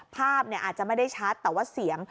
ภาพอาจจะไม่ได้ชัดแต่ว่าเสียง